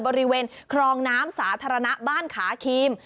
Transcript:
บริเวณครองน้ำสาธารณะบ้านขาครีม